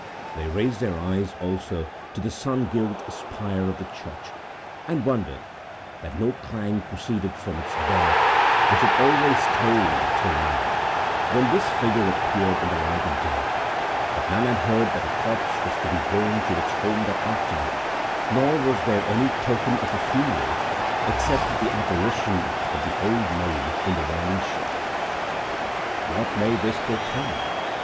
They raised their eyes, also, to the sun gilt spire of the church, and wondered that no clang proceeded from its bell, which had always tolled till now, when this figure appeared in the light of day. But none had heard that a corpse was to be borne to its home that afternoon, nor was there any token of a funeral, except the apparition of the "Old Maid in the Winding Sheet." "What may this portend?"